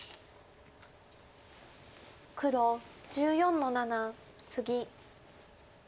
黒１４の七ツギ。